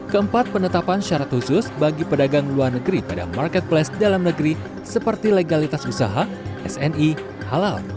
keempat penetapan syarat khusus bagi pedagang luar negeri pada marketplace dalam negeri seperti legalitas usaha sni halal